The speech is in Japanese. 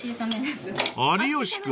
［有吉君